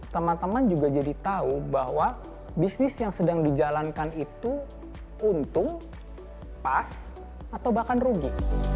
teman teman juga jadi tahu bahwa bisnis yang sedang dijalankan itu untung pas atau bahkan rugi